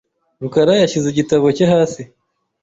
rukara yashyize igitabo cye hasi .